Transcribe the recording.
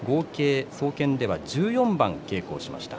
総見では合計１４番稽古しました。